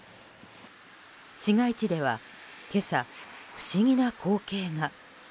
市街地では今朝、不思議な光景が。